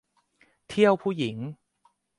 เที่ยวผู้หญิง